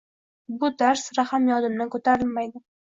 Bu dars sira ham yodimdan ko`tarilmaydi…